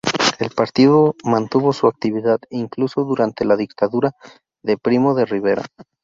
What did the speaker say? El partido mantuvo su actividad incluso durante la dictadura de Primo de Rivera.